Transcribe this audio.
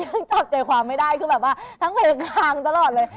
ยังจับใจความไม่ได้คือแบบว่าทั้งเพลงคางตลอดเลย